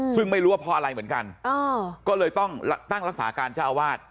ซึ่งไม่รู้ว่าเพราะอะไรเหมือนกันก็เลยต้องตั้งรักษาการเจ้าอาวาส